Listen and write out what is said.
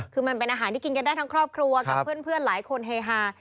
คือมันเป็นอาหารที่กินกันได้ทั้งครอบครัวกับเพื่อนหลายคนเฮฮา